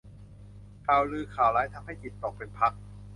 ข่าวลือข่าวร้ายทำให้จิตตกเป็นพัก